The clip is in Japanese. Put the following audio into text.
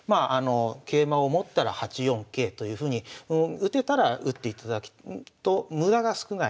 桂馬を持ったら８四桂というふうに打てたら打っていただくと無駄が少ない。